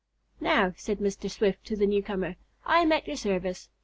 "Now," said Mr. Swift to the newcomer, "I am at your service.